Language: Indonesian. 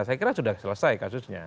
saya kira sudah selesai kasusnya